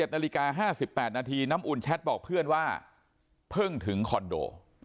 ๑นาฬิกา๕๘นาทีน้ำอุ่นแชทบอกเพื่อนว่าเพิ่งถึงคอนโด